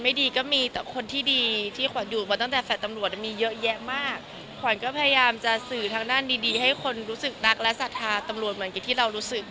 ไม่ดีก็มีแต่คนที่ดีที่ขวัญอยู่มาตั้งแต่แฟลต์ตำรวจมีเยอะแยะมากขวัญก็พยายามจะสื่อทางด้านดีดีให้คนรู้สึกรักและศรัทธาตำรวจเหมือนกับที่เรารู้สึก